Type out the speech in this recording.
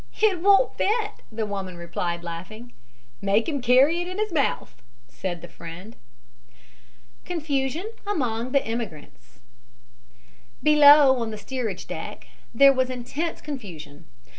"It won't fit," the woman replied, laughing. "Make him carry it in his mouth," said the friend. CONFUSION AMONG THE IMMIGRANTS Below, on the steerage deck, there was intense confusion.